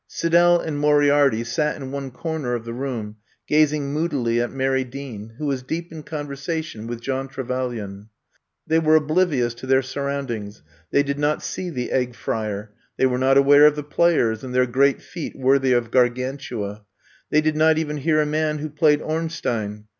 Siddell and Moriarity sat in one corner of the room, gazing moodily at Mary Dean, who was deep in conversation with John Trevelyan. They were oblivi ous to their surroundings, they did not see the Egg Frier, they were not aware of the players and their great feat worthy of Gar gantua ; they did not even hear a man who played Ornstein.